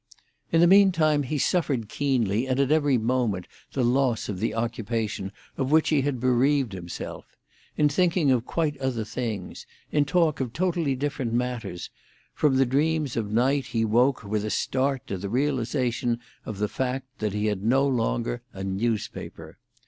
In the meantime he suffered keenly and at every moment the loss of the occupation of which he had bereaved himself; in thinking of quite other things, in talk of totally different matters, from the dreams of night, he woke with a start to the realisation of the fact that he had no longer a newspaper.